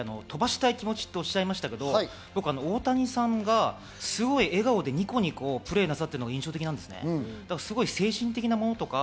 高岸さんが飛ばしたい気持ちっておっしゃいましたけど、僕、大谷さんがすごい笑顔でニコニコプレーなさってるのが印象的です。